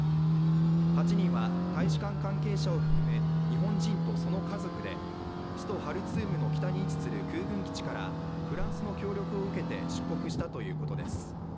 ８人は大使館関係者を含む日本人とその家族で首都ハルツームの北に位置する空軍基地からフランスの協力を受けて出国したということです。